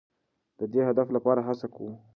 د دې هدف لپاره هڅه کوو.